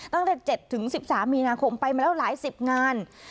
ตั้งแต่๗๑๓มีนาคมไปมาแล้วหลายสิบงาน